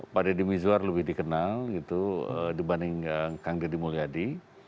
pak deddy mizwar lebih dikenal gitu dibanding kang deddy mulyadi